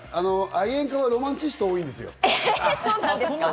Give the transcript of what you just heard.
愛煙家はロマンチストが多いんですよ。